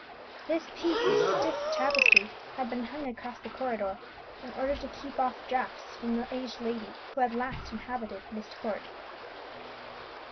This piece of stiff tapestry had been hung across the corridor in order to keep off draughts from the aged lady who had last inhabited Myst Court.